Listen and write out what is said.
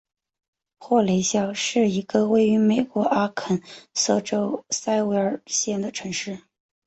霍雷肖是一个位于美国阿肯色州塞维尔县的城市。